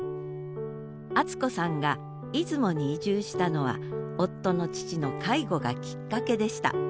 あつ子さんが出雲に移住したのは夫の父の介護がきっかけでした。